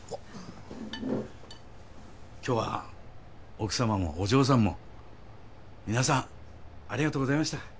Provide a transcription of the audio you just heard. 今日は奥さまもお嬢さんも皆さんありがとうございました。